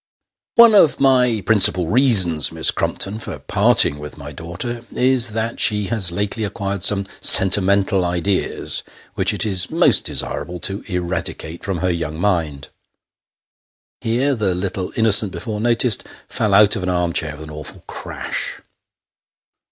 " One of my principal reasons, Miss Crumpton, for parting with my daughter, is, that she has lately acquired some sentimental ideas, which it is most desirable to eradicate from her young mind. (Here the little innocent before noticed, fell out of an arm chair with an awful crash.)